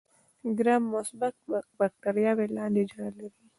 ګرام مثبت بکټریاوې لاندې اجزا لري.